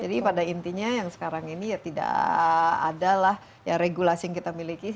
jadi pada intinya yang sekarang ini tidak ada lah regulasi yang kita miliki